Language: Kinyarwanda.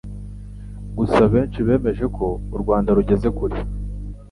Gusa benshi bemeje ko u Rwanda rugeze kure